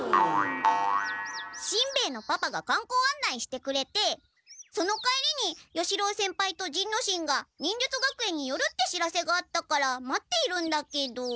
しんべヱのパパが観光案内してくれてその帰りに与四郎先輩と仁之進が忍術学園によるって知らせがあったから待っているんだけど。